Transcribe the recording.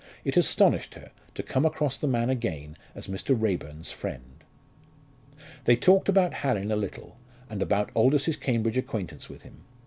It astonished her to come across the man again as Mr. Raeburn's friend. They talked about Hallin a little, and about Aldous's Cambridge acquaintance with him.